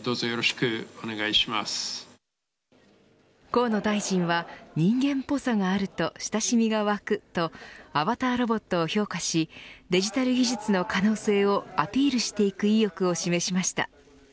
河野大臣は人間ぽさがあると親しみが湧くとアバターロボットを評価しデジタル技術の可能性をアピールしていく意欲を示しました。